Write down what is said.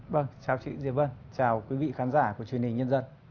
vâng chào chị diệp vân chào quý vị khán giả của truyền hình nhân dân